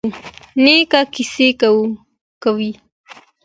نیکه کیسې کوي.